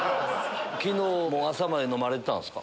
昨日も朝まで飲まれてたんですか？